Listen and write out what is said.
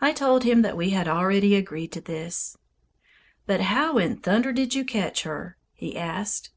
I told him that we had already agreed to this. "But how in thunder did you catch her?" he asked.